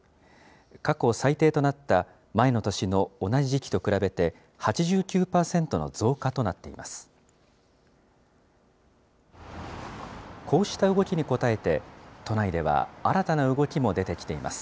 過去最低となった前の年の同じ時期と比べて、８９％の増加となっています。